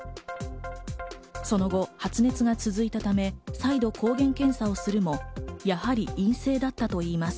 その後、発熱が続いたため再度、抗原検査をするも、やはり陰性だったといいます。